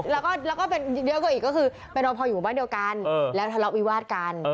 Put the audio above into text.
แล้วก็เป็นเยอะกว่าอีกก็คือเป็นรอพออยู่บ้านเดียวกันแล้วทะเลาะวิวาดกัน